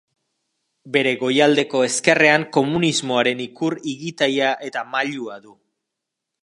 Bere goialdeko ezkerrean komunismoaren ikur igitaia eta mailua du.